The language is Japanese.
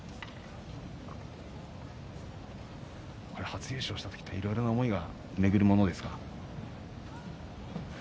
初優勝した時というのはいろいろな思いが巡るものですか。